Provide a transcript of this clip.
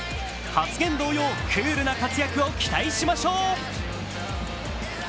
発言同様クールな活躍を期待しましょう。